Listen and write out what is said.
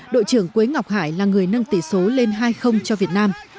đội trưởng quế ngọc hải là người nâng tỷ số lên hai cho việt nam